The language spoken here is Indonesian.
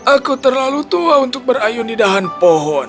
aku terlalu tua untuk berayun di dahan pohon